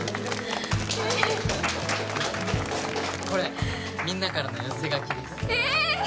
これみんなからの寄せ書きですええ！